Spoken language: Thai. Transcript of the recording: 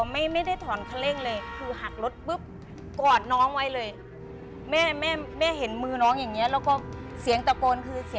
เพราะขับได้ไปสองแม่ลูก